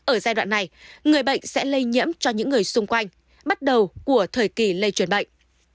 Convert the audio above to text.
ở giai đoạn này người bệnh sẽ lây nhiễm cho những người xung quanh bắt đầu của thời kỳ lây truyền bệnh